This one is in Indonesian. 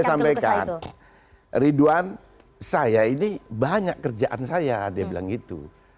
saya sampaikan ridwan saya ini banyak kerjaan saya dia bilang gitu